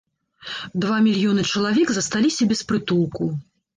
Два мільёны чалавек засталіся без прытулку.